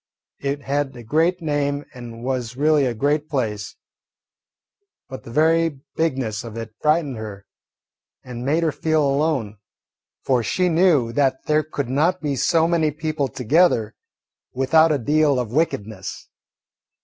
It had a great name and was really a great place, but the very bigness of it frightened her and made her feel alone, for she knew that there could not be so many people together without a deal of wickedness.